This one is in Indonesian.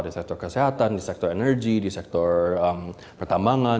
di sektor kesehatan di sektor energi di sektor pertambangan